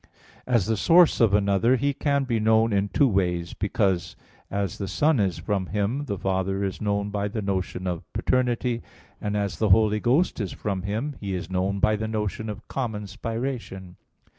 As the source of another, He can be known in two ways, because as the Son is from Him, the Father is known by the notion of "paternity"; and as the Holy Ghost is from Him, He is known by the notion of "common spiration."